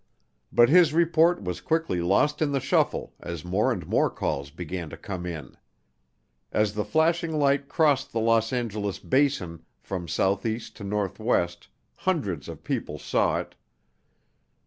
But his report was quickly lost in the shuffle as more and more calls began to come in. As the flashing light crossed the Los Angeles Basin from southeast to northwest hundreds of people saw it.